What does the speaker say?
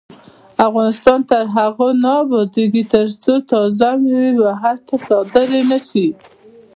افغانستان تر هغو نه ابادیږي، ترڅو تازه میوې بهر ته صادرې نشي.